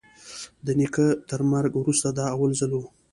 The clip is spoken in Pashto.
د نيکه تر مرگ وروسته دا اول ځل و.